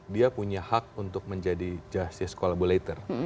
dia punya hak untuk menjadi justice collaborator